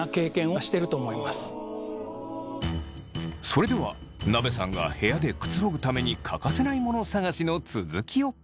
それではなべさんが部屋でくつろぐために欠かせないモノ探しの続きを。